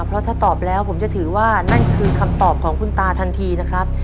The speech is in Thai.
เพราะถ้าตอบแล้วผมจะถือว่านั่นคือคำตอบของคุณตาทันทีนะครับ